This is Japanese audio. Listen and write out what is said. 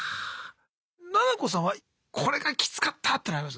ななこさんはこれがキツかったっていうのあります？